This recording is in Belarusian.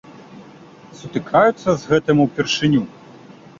Сутыкаюцца з гэтым упершыню.